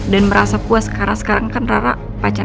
dan merasa puas karena sekarang kan rara pacar davin